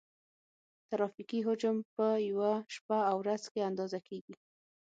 ترافیکي حجم په یوه شپه او ورځ کې اندازه کیږي